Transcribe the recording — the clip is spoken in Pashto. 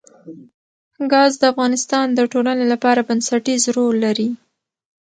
ګاز د افغانستان د ټولنې لپاره بنسټيز رول لري.